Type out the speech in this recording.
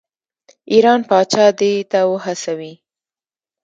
ایران پاچا دې ته وهڅوي.